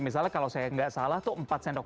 misalnya kalau saya nggak salah tuh empat sendok